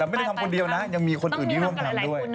ไม่ได้ทำคนเดียวนะยังมีคนอื่นที่ร่วมทำด้วย